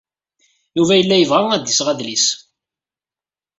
Yuba yella yebɣa ad d-iseɣ adlis.